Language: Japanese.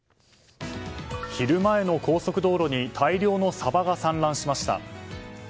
昼前の高速道路に大量のサバが散乱しました。